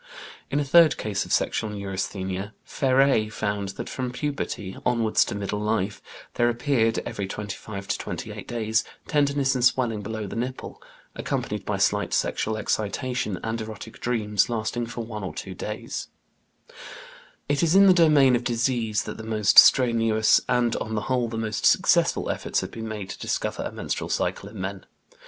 In a third case, of sexual neurasthenia, Féré found that from puberty, onwards to middle life, there appeared, every twenty five to twenty eight days, tenderness and swelling below the nipple, accompanied by slight sexual excitation and erotic dreams, lasting for one or two days (Revue de Médecine, March, 1905). It is in the domain of disease that the most strenuous and, on the whole, the most successful efforts have been made to discover a menstrual cycle in men.